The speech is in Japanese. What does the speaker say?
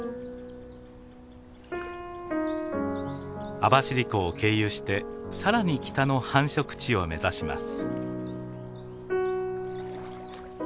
網走湖を経由して更に北の繁殖地を目指します。